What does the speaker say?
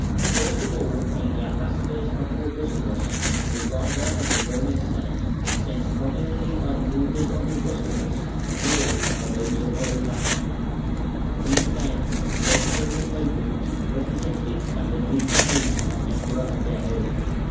First of all came the ambassadors of Augustulus, or rather of the Roman Senate, sent nominally by the orders of Augustulus, really by those of Odovacar. These men, great Roman nobles, represented "that they did not need an Emperor of their own.